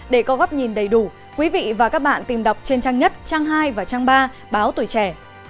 để có góc nhìn đầy đủ quý vị và các bạn tìm đọc trên trang nhất trang hai và trang ba báo tuổi trẻ